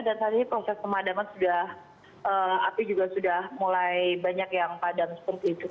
dan saat ini proses semadaman sudah api juga sudah mulai banyak yang padam seperti itu